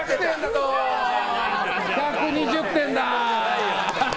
１２０点だ。